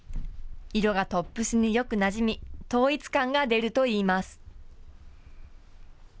色がトップスによくなじみ統一感が出るといいます。